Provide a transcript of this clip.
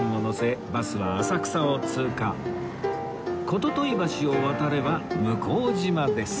言問橋を渡れば向島です